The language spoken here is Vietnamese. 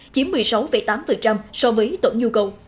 chiếm một mươi sáu tám so với tổn nhu cầu